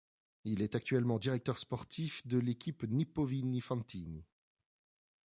Il est actuellement directeur sportif de l'équipe Nippo-Vini Fantini.